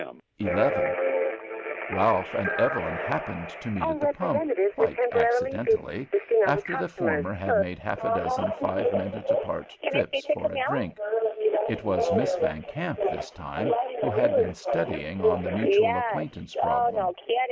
XI Ralph and Evelyn happened to meet at the pump, quite accidentally, after the former had made half a dozen five minute apart trips for a drink. It was Miss Van Kamp, this time, who had been studying on the mutual acquaintance problem.